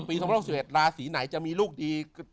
ปี๒๖๑ลาศรีไหนจะมีลูกดี